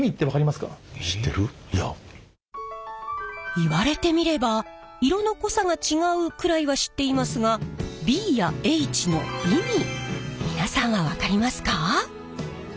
言われてみれば色の濃さが違うくらいは知っていますがＢやＨの意味皆さんは分かりますか？